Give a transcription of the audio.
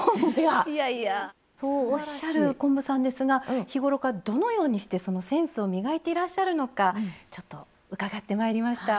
いやいやそうおっしゃる昆布さんですが日頃からどのようにしてそのセンスを磨いていらっしゃるのかちょっと伺ってまいりました。